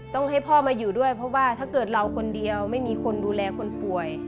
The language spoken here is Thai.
ต้องให้พ่อมาอยู่ด้วยเพราะว่าถ้าเกิดเราคนเดียวไม่มีคนดูแลคนป่วย